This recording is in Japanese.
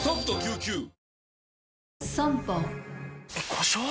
故障？